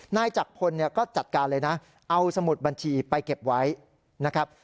นายจักรพลเนี่ยก็จัดการเลยนะเอาสมุดบัญชีไปเก็บไว้นะครับ